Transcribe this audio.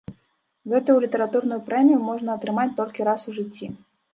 Гэтую літаратурную прэмію можна атрымаць толькі раз у жыцці.